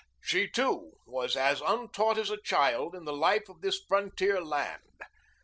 She too was as untaught as a child in the life of this frontier land.